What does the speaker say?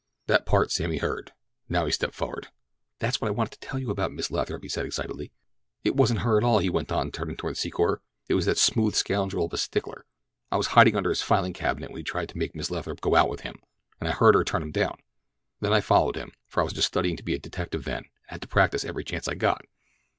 That part Sammy heard. Now he stepped forward. "That's what I wanted to tell you about, Miss Lathrop," he said, excitedly. "It wasn't her at all," he went on, turning toward Secor. "It was that smooth scoundrel of a Stickler. I was hiding under his filing cabinet when he tried to make Miss Lathrop go out with him, and I heard her turn him down. Then I followed him, for I was just studying to be a detective then and I had to practise every chance I got.